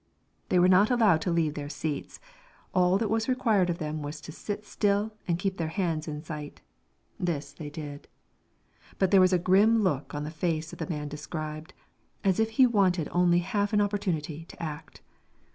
They were not allowed to leave their seats; all that was required of them was to sit still and keep their hands in sight. This they did. But there was a grim look on the face of the man described, as if he wanted only half an opportunity to act.